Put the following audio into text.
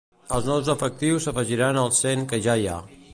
Els nous efectius s'afegiran als cent que ja hi ha.